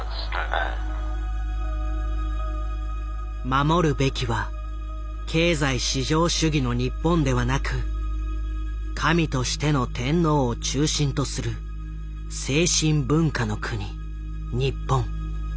守るべきは経済至上主義の日本ではなく神としての天皇を中心とする精神文化の国日本。